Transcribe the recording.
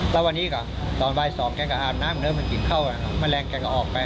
แล้ววันนี้ก็ตอนบ่ายสองแกก็อาบน้ำเนื้อมันกินเข้ามาแมลงแกก็ออกไป